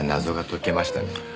謎が解けましたね。